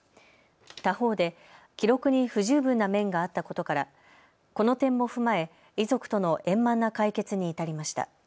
他方で記録に不十分な面があったことからこの点も踏まえ、遺族との円満な解決に至りました。